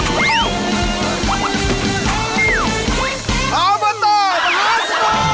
ออเบอร์โตมหาสนุก